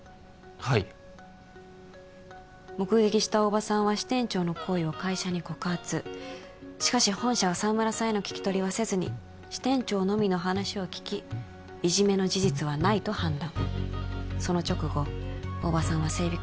はい目撃した大庭さんは支店長の行為を会社に告発しかし本社は沢村さんへの聞き取りはせずに支店長のみの話を聞きいじめの事実はないと判断その直後大庭さんは整備